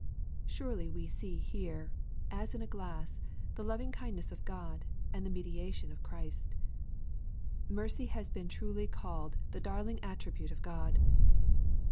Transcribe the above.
Surely we see here, as in a glass, the loving kindness of God, and the mediation of Christ. Mercy has been truly called the darling attribute of God.